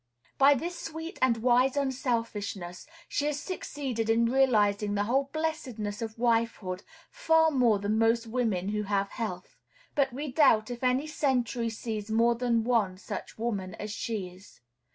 By this sweet and wise unselfishness she has succeeded in realizing the whole blessedness of wifehood far more than most women who have health. But we doubt if any century sees more than one such woman as she is.